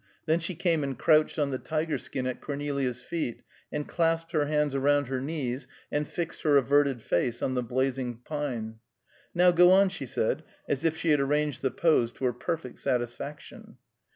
Then she came and crouched on the tiger skin at Cornelia's feet, and clasped her hands around her knees, and fixed her averted face on the blazing pine. "Now go on," she said, as if she had arranged the pose to her perfect satisfaction.